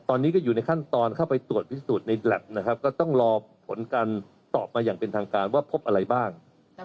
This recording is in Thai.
ตอนนี้ก็อยู่ในขั้นตอนเข้าไปตรวจพิสูจน์ในแล็บนะครับก็ต้องรอผลการตอบมาอย่างเป็นทางการว่าพบอะไรบ้าง